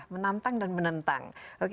menantang dan menentang